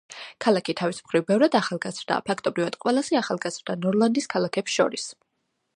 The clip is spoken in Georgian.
ქალაქი თავის მხრივ ბევრად ახალგაზრდაა, ფაქტობრივად ყველაზე ახალგაზრდა ნორლანდის ქალაქებს შორის.